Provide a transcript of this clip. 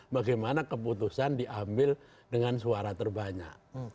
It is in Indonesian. bagaimana keputusan diambil dengan suara terbanyak